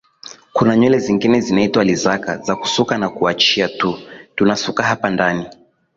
kuna nywele zingine zinaitwa lizaka za kusuka na kuaachia tu tunasuka hapa ndani